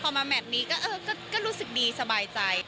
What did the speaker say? พอมาแมทนี้ก็รู้สึกดีสบายใจ